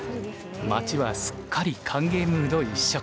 まちはすっかり歓迎ムード一色。